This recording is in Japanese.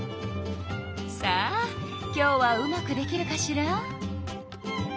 さあ今日はうまくできるかしら？